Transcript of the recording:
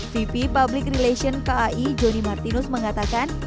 vp public relations kai jonny martinus mengatakan